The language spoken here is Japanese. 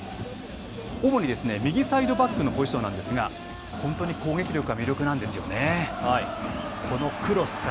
主に右サイドバックのポジションなんですが、本当に攻撃力が魅力なんですよね。